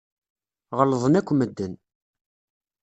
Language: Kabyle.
Ɣellḍen akk medden.